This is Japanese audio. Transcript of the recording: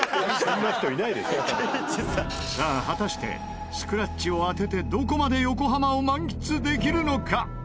さあ果たしてスクラッチを当ててどこまで横浜を満喫できるのか？